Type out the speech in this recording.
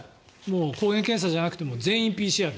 抗原検査じゃなくて全員ＰＣＲ。